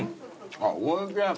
あっおいしい。